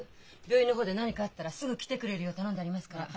病院の方で何かあったらすぐ来てくれるよう頼んでありますから。